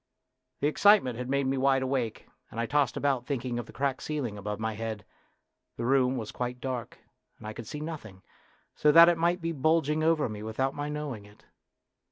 The excitement had made me wide awake, and I tossed about thinking of the cracked ceiling above my head. The room was quite dark, and I could see nothing, so that it might be bulging over me without my knowing it.